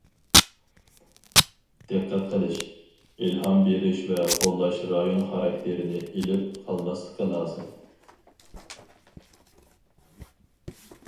دىققەت قىلىش، ئىلھام بېرىش ۋە قوللاش رايون خاراكتېرىنى ئېلىپ قالماسلىقى لازىم.